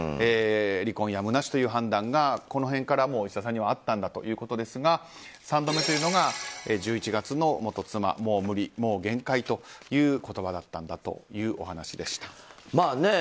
離婚やむなしという判断がいしださんにはあったんだということですが３度目というのが、１１月の元妻のもう無理、もう限界という言葉だったんだというお話でした。